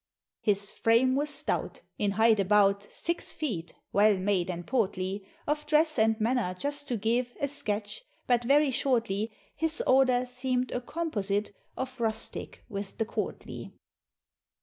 His frame was stout, in height about Six feet well made and portly; Of dress and manner just to give A sketch, but very shortly, His order seem'd a composite Of rustic with the courtly.